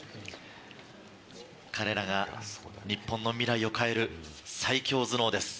彼らが日本の未来を変える最強頭脳です。